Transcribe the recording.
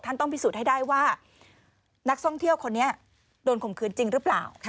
ต้องพิสูจน์ให้ได้ว่านักท่องเที่ยวคนนี้โดนข่มขืนจริงหรือเปล่า